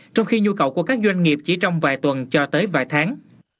trong khi nhu cầu của các doanh nghiệp chỉ trong vài tuần cho tới vài tháng